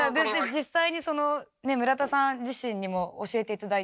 実際に村田さん自身にも教えて頂いて。